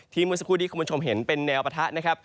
ทีมวันสักครู่ที่คุณผู้ชมเห็นเป็นแนวปะทะ